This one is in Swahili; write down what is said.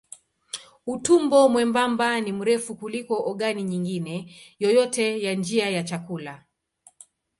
Utumbo mwembamba ni mrefu kuliko ogani nyingine yoyote ya njia ya chakula.